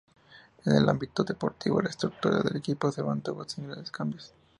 En el ámbito deportivo, la estructura del equipo se mantuvo sin grandes cambios.